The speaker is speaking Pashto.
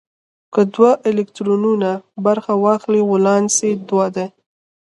که دوه الکترونونه برخه واخلي ولانس دوه دی.